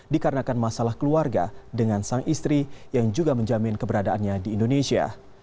dikarenakan masalah keluarga dengan sang istri yang juga menjamin keberadaannya di indonesia